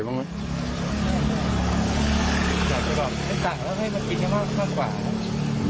วางไม้ต่างแล้วให้มันกินมากมากกว่านะ